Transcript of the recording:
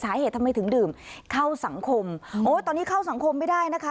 สาเหตุทำไมถึงดื่มเข้าสังคมโอ้ยตอนนี้เข้าสังคมไม่ได้นะคะ